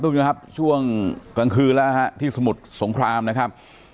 คุณผู้ชมครับช่วงกลางคืนแล้วฮะที่สมุทรสงครามนะครับ